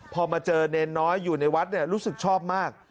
พอมาเจอเนรน้อยอยู่ในวัดรู้สึกชอบมาก